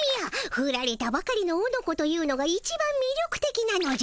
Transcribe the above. フラれたばかりのオノコというのがいちばんみりょくてきなのじゃ。